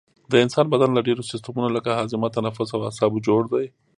د انسان بدن له ډیرو سیستمونو لکه هاضمه تنفس او اعصابو جوړ دی